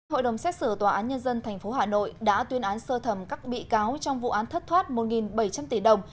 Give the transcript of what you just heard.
hội đồng xét xử tòa án nhân dân tp hà nội đã tuyên án sơ thẩm các bị cáo trong vụ án thất thoát một bảy trăm linh tỷ đồng